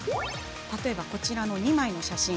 たとえば、こちらの２枚の写真。